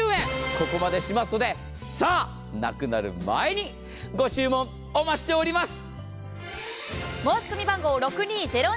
ここまでしますのでさあ、なくなる前にご注文、お持ちしております。